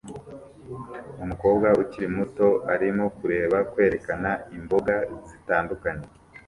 Umukobwa ukiri muto arimo kureba kwerekana imboga zitandukanye